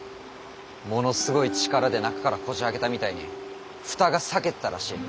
ものすごい力で中からこじあけたみたいに蓋が裂けてたらしい。